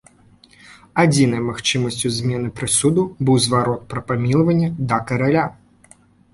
Адзінай магчымасцю змены прысуду быў зварот пра памілаванне да караля.